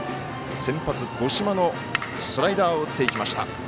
先発、五島のスライダーを打っていきました。